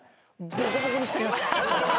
ボコボコにしてやりました！